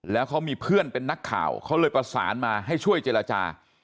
แล้วเขามีเพื่อนเป็นนักข่าวเขาเลยประสานมาให้ช่วยเจรจา